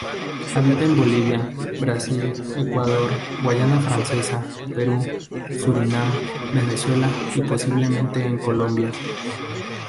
Habita en Bolivia, Brasil, Ecuador, Guayana Francesa, Perú, Surinam, Venezuela y posiblemente en Colombia.